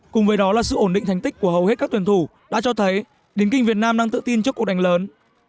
cùng với đó là sự ổn định thành tích của hầu hết các tuyển thủ đã cho thấy điền kinh việt nam đang tự tin trước cuộc đánh lớn